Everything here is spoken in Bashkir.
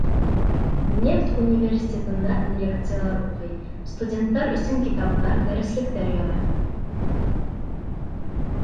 Нефть университетында лекциялар уҡый, студенттар өсөн китаптар, дәреслектәр яҙа.